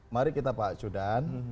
mari kita pak sudan